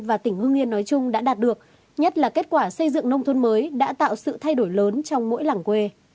và tỉnh hương yên nói chung đã đạt được nhất là kết quả xây dựng nông thôn mới đã tạo sự thay đổi lớn trong mỗi làng quê